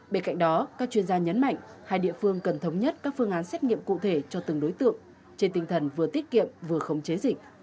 bên cạnh đó các chuyên gia nhấn mạnh hai địa phương cần thống nhất các phương án xét nghiệm cụ thể cho từng đối tượng trên tinh thần vừa tiết kiệm vừa khống chế dịch